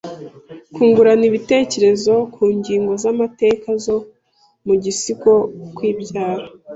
Kungurana ibitekerezo ku ngingo z’amateka zo mu gisigo “Ukwibyara”